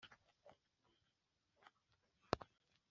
inyongera kuri raporo y isesengura irakenewe